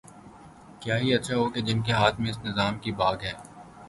کیا ہی اچھا ہو کہ جن کے ہاتھ میں اس نظام کی باگ ہے۔